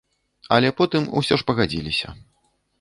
Але потым усё ж пагадзіліся.